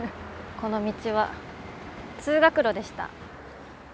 この道は通学路でした。